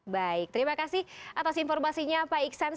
baik terima kasih atas informasinya pak iksan